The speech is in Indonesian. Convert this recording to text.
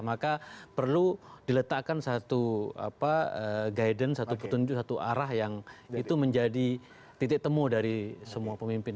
maka perlu diletakkan satu guidance atau petunjuk satu arah yang itu menjadi titik temu dari semua pemimpin